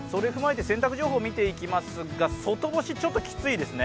洗濯情報を見ていきますが、外干し、ちょっと厳しいですね。